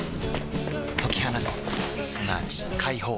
解き放つすなわち解放